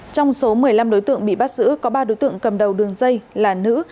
trong số một mươi năm đối tượng bị bắt giữ có ba đối tượng cầm đầu đường dây là nữ